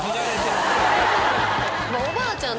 そのおばあちゃん。